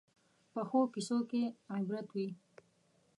پخو کیسو کې عبرت وي